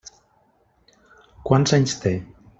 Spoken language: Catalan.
Quants anys té?